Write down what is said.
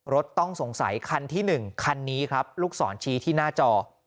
รถต้องสงสัยคันที่๑คันนี้ครับลูกศรชี้ที่หน้าจอ